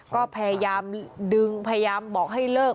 ก็พยายามดึงพยายามบอกให้เลิก